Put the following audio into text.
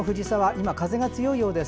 今、風が強いようです。